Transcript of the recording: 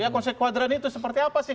konsep kewadran itu seperti apa sih